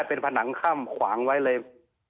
เป็นผนังถ้ำขวางไว้เลย